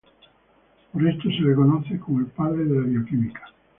Por esto se le conoce como el "padre de la bioquímica".